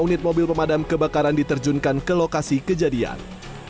unit mobil pemadam kebakaran diterjunkan ke lokasi kejadian